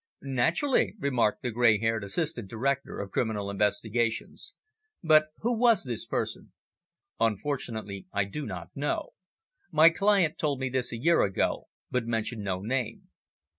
"Naturally," remarked the grey haired Assistant Director of Criminal Investigations. "But who was this person?" "Unfortunately I do not know. My client told me this a year ago, but mentioned no name."